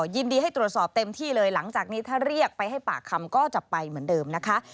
ยินดีให้ตรวจสอบเต็มที่เลยหลังจากนี้ถ้าเรียกไปให้ปากคำก็จะไปเหมือนเดิมนะคะ